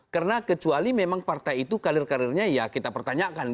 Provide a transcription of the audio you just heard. karena kecuali memang partai itu karir karirnya ya kita pertanyakan